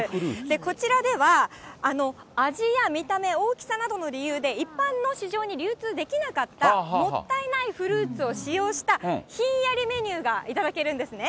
こちらでは、味や見た目、大きさなどの理由で、一般の市場に流通できなかったもったいないフルーツを利用した、ひんやりメニューが頂けるんですね。